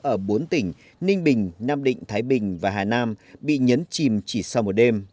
ở bốn tỉnh ninh bình nam định thái bình và hà nam bị nhấn chìm chỉ sau một đêm